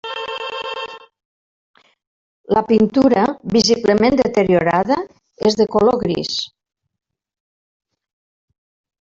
La pintura, visiblement deteriorada, és de color gris.